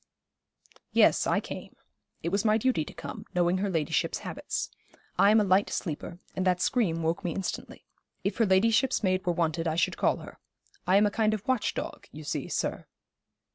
'Yes, I came. It was my duty to come, knowing her ladyship's habits. I am a light sleeper, and that scream woke me instantly. If her ladyship's maid were wanted I should call her. I am a kind of watch dog, you see, sir.'